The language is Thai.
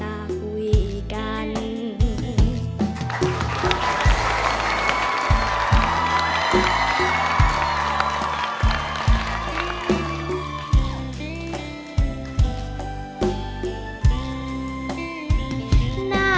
หน้าจอมือถือโชเบิร์ดแต่ไม่โชเบิร์ดใดบอกใดจะซื้อชอบอ้างเวลา